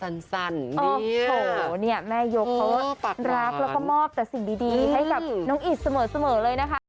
โอ้โหเนี่ยแม่ยกเขารักแล้วก็มอบแต่สิ่งดีให้กับน้องอิดเสมอเลยนะคะ